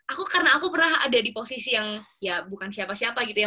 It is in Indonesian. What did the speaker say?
aku karena aku pernah ada di posisi yang ya bukan siapa siapa gitu ya